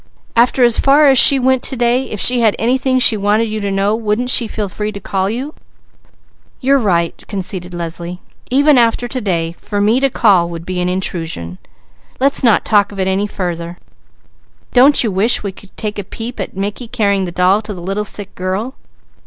"After as far as she went to day, if she had anything she wanted you to know, wouldn't she feel free to call you?" "You are right," conceded Leslie. "Even after to day, for me to call would be an intrusion. Let's not talk of it further! Don't you wish we could take a peep at Mickey carrying the doll to the little sick girl?"